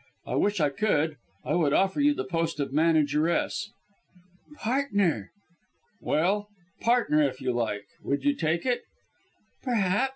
I wish I could. I would offer you the post of manageress." "Partner!" "Well, partner, if you like. Would you take it?" "Perhaps!"